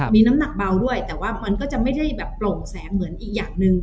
มีน้ำหนักเบาด้วยแต่ว่ามันก็จะไม่ได้แบบโปร่งแสงเหมือนอีกอย่างหนึ่ง